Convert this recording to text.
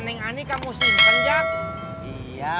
dengan pedisi urustia